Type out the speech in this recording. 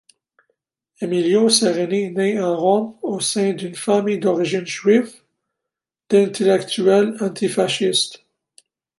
Emilio Sereni nait à Rome au sein d'une famille d'origine juive d'intellectuels antifascistes.